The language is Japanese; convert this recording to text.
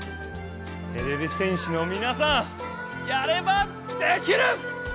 てれび戦士のみなさんやればできる！